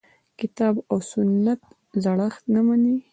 کتاب او سنت زړښت نه مني.